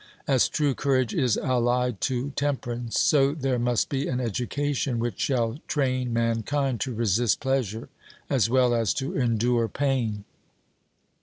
As true courage is allied to temperance, so there must be an education which shall train mankind to resist pleasure as well as to endure pain.